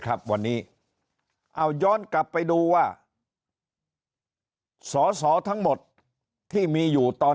ครับวันนี้เอาย้อนกลับไปดูว่าสอสอทั้งหมดที่มีอยู่ตอน